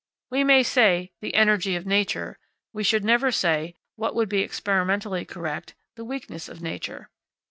We may say "the energy of nature;" but we should never say, what would be experimentally correct; "the weakness of nature."